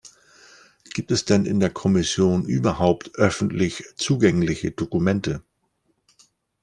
Gibt es denn in der Kommission überhaupt öffentlich zugängliche Dokumente?